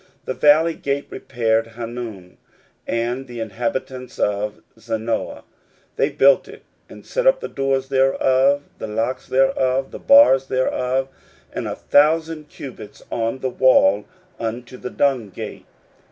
16:003:013 The valley gate repaired Hanun, and the inhabitants of Zanoah; they built it, and set up the doors thereof, the locks thereof, and the bars thereof, and a thousand cubits on the wall unto the dung gate.